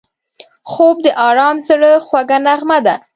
خوب د آرام زړه خوږه نغمه ده